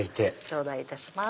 頂戴いたします。